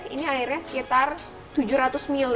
ini airnya sekitar tujuh ratus mil